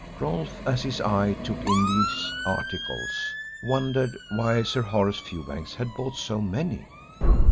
Rolfe, as his eye took in these articles, wondered why Sir Horace Fewbanks had bought so many.